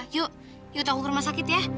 yuk yuk aku ke rumah sakit ya